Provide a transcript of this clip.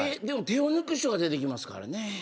でも、手を抜く人が出てきますからね。